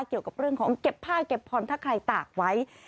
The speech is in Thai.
เกี่ยวกับเรื่องของเก็บผ้าเก็บผ่อนถ้าใครตากไว้